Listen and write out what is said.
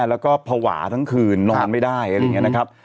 แล้วก็ภาวะทั้งคืนนอนไม่ได้อะไรอย่างนี้นะครับ